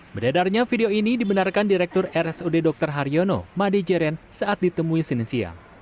beredarnya video ini dibenarkan direktur rsud dr harjono madi jeren saat ditemui sinisian